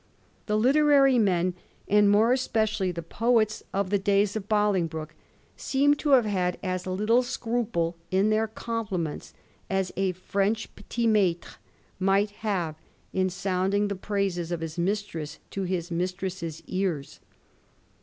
The literary men, and more especially the poets of the Digiti zed by Google 1714 POPE'S PRAISES. 37 days of Bolingbroke, seem to have had as little scruple in their complunents as a French petit maitre might have in sounding the praises of his mistress to his mistress's ears.